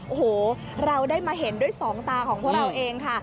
โอ้โหเราได้มาเห็นด้วยสองตาของพวกเราเองค่ะ